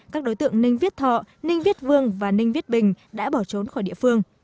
các đối tượng ninh viết thọ ninh viết vương và ninh viết bình đã bỏ trốn khỏi địa phương